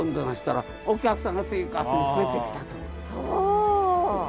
そう！